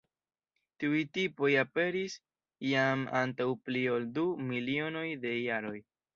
Tiuj tipoj aperis jam antaŭ pli ol du milionoj da jaroj.